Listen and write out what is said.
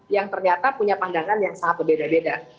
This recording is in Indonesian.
yang ternyata punya pandangan yang sangat berbeda beda